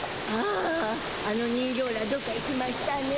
ああの人形らどっか行きましゅたね。